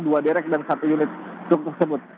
dua derek dan satu unit truk tersebut